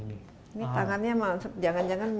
ini tangannya jangan jangan